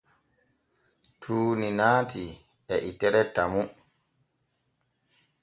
Tuuni naatii e itere Tamu.